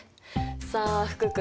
さあ福君